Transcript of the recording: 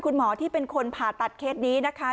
คุณหมอที่เป็นคนผ่าตัดเคสนี้นะคะ